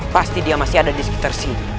pasti dia masih ada di sekitar sini